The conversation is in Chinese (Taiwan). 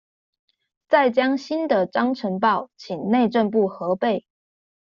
再將新的章程報請內政部核備